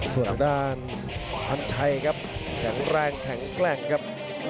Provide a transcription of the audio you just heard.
ส่วนทางด้านพันชัยครับแข็งแรงแข็งแกร่งครับ